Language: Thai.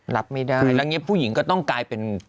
รับไม่ได้แล้วอย่างนี้ผู้หญิงก็ต้องกลายเป็น